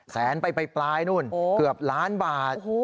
แสนไปปลายนู่นเกือบล้านบาท